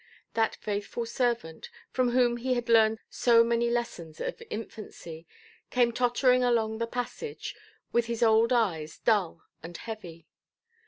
That faithful servant, from whom he had learned so many lessons of infancy, came tottering along the passage, with his old eyes dull and heavy.